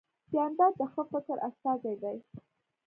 جانداد د ښه فکر استازی دی.